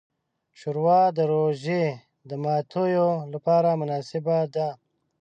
ښوروا د روژې د ماتیو لپاره مناسبه ده.